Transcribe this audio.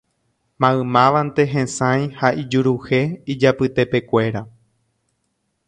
Maymávante hesãi ha ijuruhe ijapytepekuéra